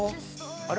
あれ？